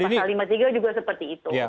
pasal lima puluh tiga juga seperti itu